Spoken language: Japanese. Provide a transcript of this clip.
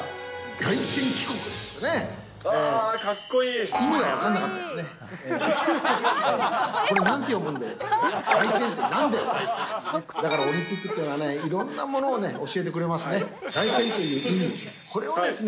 凱旋ってなんだよって、だからオリンピックっていうのはね、いろんなものを教えてくれますね。